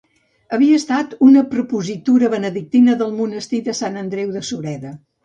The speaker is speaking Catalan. Havia estat una prepositura benedictina del monestir de Sant Andreu de Sureda.